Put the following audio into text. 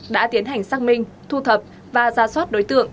đã tiến hành xác minh thu thập và ra soát đối tượng